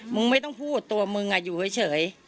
มึงไม่ต้องพูดตัวมึงอยู่เฉย